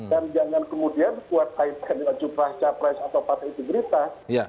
dan jangan kemudian buat pak itanil acupraha capres atau pak tehidu gerita